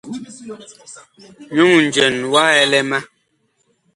Nyuŋ njɛn wa ɛlɛ ma.